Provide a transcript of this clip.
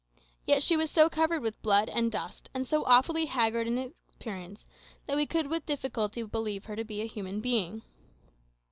Yet she was so covered with blood and dust, and so awfully haggard in appearance, that we could with difficulty believe her to be a human being.